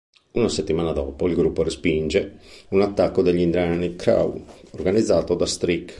Una settimana dopo, il gruppo respinge un attacco degli indiani Crow organizzato da Streak.